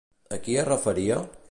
A qui es referia?